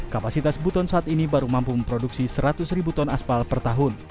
kapasitas buton saat ini baru mampu memproduksi seratus ribu ton aspal per tahun